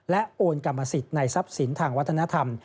โอนกรรมสิทธิ์ในทรัพย์สินทางวัฒนธรรม